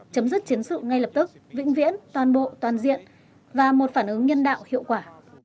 chấm dứt chiến sự ngay lập tức vĩnh viễn toàn bộ toàn diện và một phản ứng nhân đạo hiệu quả